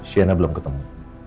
sienna belum ketemu